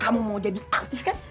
kamu mau jadi artis kan